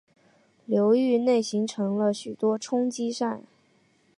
流域内形成了许多冲积扇。